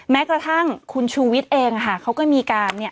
แม้กระทั่งคุณชูวิทย์เองเขาก็มีการ